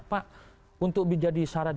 pak untuk menjadi moderator